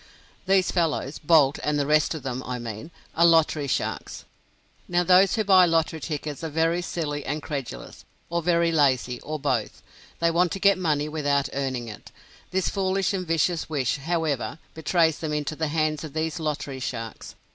These fellows Boult and the rest of them, I mean are lottery sharks. Now, those who buy lottery tickets are very silly and credulous, or very lazy, or both. They want to get money without earning it. This foolish and vicious wish, however, betrays them into the hands of these lottery sharks.